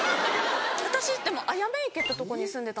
私あやめ池ってとこに住んでた。